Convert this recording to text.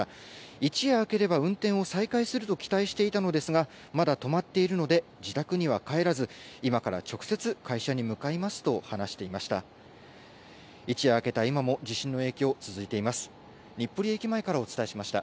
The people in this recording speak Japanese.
一夜明ければ運転を再開すると期待していたのですが、まだ止まっているので、自宅には帰らず、今から直接、会社に向かいますと話していました。